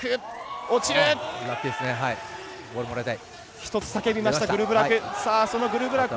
ひとつ叫びましたグルブラク。